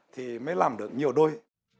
thì mới làm được nhiều đôi